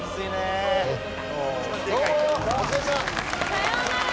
さようなら！